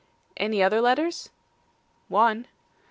'Any other letters?' 'One.